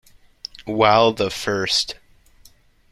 While the first.